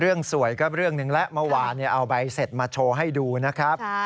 เรื่องสวยก็เรื่องหนึ่งแล้วเมื่อวานเอาใบเสร็จมาโชว์ให้ดูนะครับ